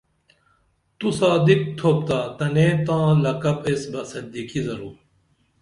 تو صادق تُھپتا تنیں تاں لقب ایس بہ صدیقی درو